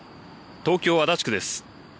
東京、足立区です。